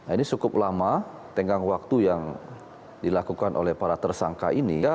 ini cukup lama tenggang waktu yang dilakukan oleh para tersangka ini